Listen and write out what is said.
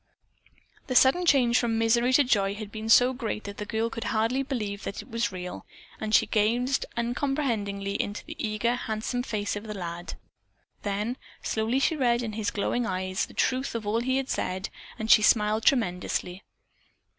The sudden change from misery to joy had been so great that the girl could hardly believe that it was real, and she gazed uncomprehendingly into the eager, handsome face of the lad. Then slowly she read in his glowing eyes the truth of all he had said, and she smiled tremulously.